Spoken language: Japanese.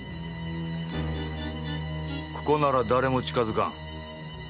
ここなら誰も近づかん。